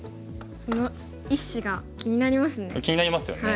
その１子が気になりますね。